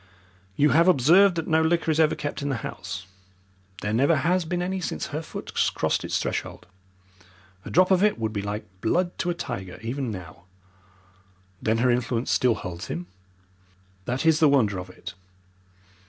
You have observed that no liquor is ever kept in the house. There never has been any since her foot crossed its threshold. A drop of it would be like blood to a tiger even now." "Then her influence still holds him?" "That is the wonder of it.